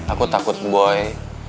aku takut boy